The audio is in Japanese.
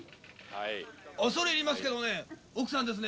恐れ入りますけどもね、奥さんですね？